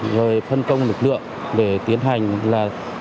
rồi phân công lực lượng để tiến hành là